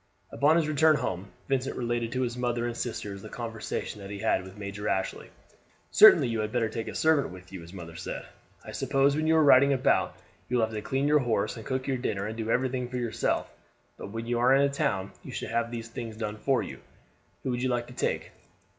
Upon his return home Vincent related to his mother and sisters the conversation that he had had with Major Ashley. "Certainly you had better take a servant with you," his mother said. "I suppose when you are riding about; you will have to clean your horse, and cook your dinner, and do everything for yourself; but when you are in a town you should have these things done for you. Who would you like to take?